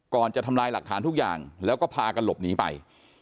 จะทำลายหลักฐานทุกอย่างแล้วก็พากันหลบหนีไป